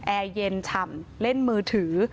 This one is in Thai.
แอร์เย็นฉ่ำเล่นมือถือ